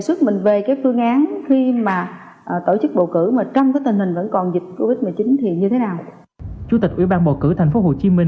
cảm ơn các bạn đã theo dõi và hẹn gặp lại